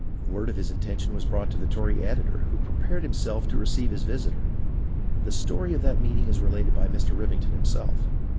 Word of his intention was brought to the Tory editor, who prepared himself to receive his visitor. The story of that meeting is related by Mr. Rivington himself.